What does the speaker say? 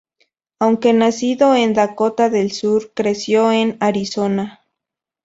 Aunque nacido en Dakota del Sur, creció en Arizona.